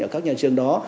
ở các nhà trường đó